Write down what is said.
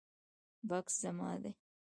بکس زما دی